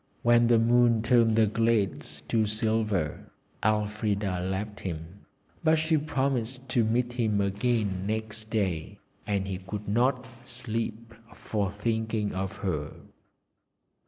When the moon turned the glades to silver, Elfrida left him, but she promised to meet him again next day, and he could not sleep for thinking of her.